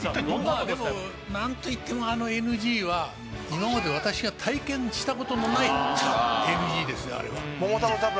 まあでも何といってもあのＮＧは今まで私が体験したことのないＮＧですねあれは。